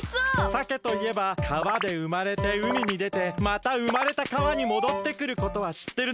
さけといえば川でうまれて海にでてまたうまれた川にもどってくることはしってるな？